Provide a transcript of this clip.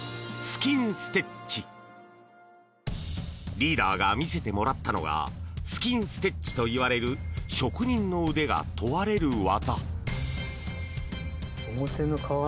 リーダーが見せてもらったのがスキンステッチといわれる職人の腕が問われる技。